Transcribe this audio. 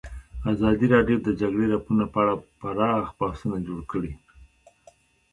ازادي راډیو د د جګړې راپورونه په اړه پراخ بحثونه جوړ کړي.